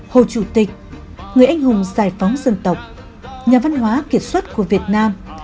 hồ chủ tịch người anh hùng giải phóng dân tộc nhà văn hóa kiệt xuất của việt nam